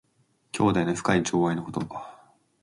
兄弟の深い情愛のこと。